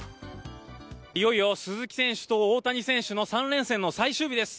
いよいよ鈴木選手と大谷選手の３連戦の最終日です。